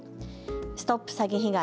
ＳＴＯＰ詐欺被害！